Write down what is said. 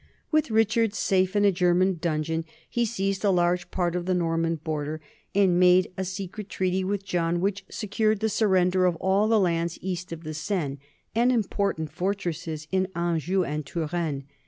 With Richard safe in a German dungeon, he seized a large part of the Nor man border and made a secret treaty with John which secured the surrender of all the lands east of the Seine and important fortresses in Anjou and Touraine.